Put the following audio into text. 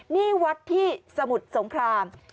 นี่วัดที่สมุทรสงคราม